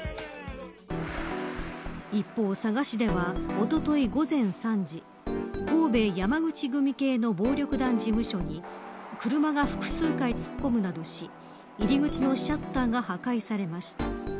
一方、佐賀市ではおととい午前３時神戸山口組系の暴力団事務所に車が複数回突っ込むなどし入り口のシャッターが破壊されました。